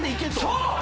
そう！